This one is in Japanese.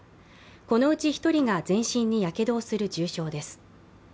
このうち１人が全身にやけどをする重傷です。